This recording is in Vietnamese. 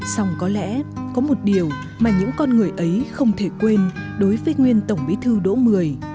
xong có lẽ có một điều mà những con người ấy không thể quên đối với nguyên tổng bí thư đỗ mười